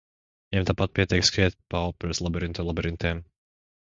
Viņām tāpat pietiek skriet pa operas labirintu labirintiem.